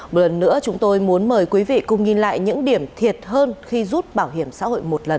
một lần nữa chúng tôi muốn mời quý vị cùng nhìn lại những điểm thiệt hơn khi rút bảo hiểm xã hội một lần